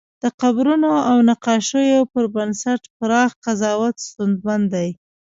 د قبرونو او نقاشیو پر بنسټ پراخ قضاوت ستونزمن دی.